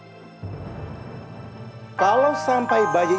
kalau baru mona rajin balik ke rumahnya mana patahnya bayi ini